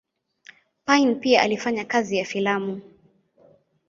Payn pia alifanya kazi ya filamu.